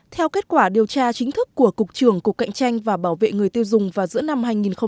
theo kết quả điều tra chính thức của cục trưởng cục cạnh tranh và bảo vệ người tiêu dùng vào giữa năm hai nghìn một mươi tám